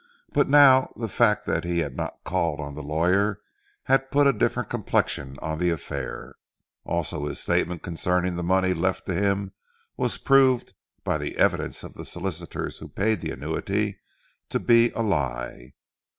But now, the fact that he had not called on the lawyers had put a different complexion on the affair. Also his statement concerning the money left to him was proved by the evidence of the solicitors who paid the annuity to be a lie.